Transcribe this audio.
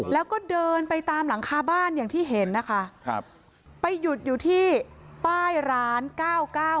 แล้วก็เดินไปตามหลังคาบ้านอย่างที่เห็นนะคะครับไปหยุดอยู่ที่ป้ายร้านเก้าเก้า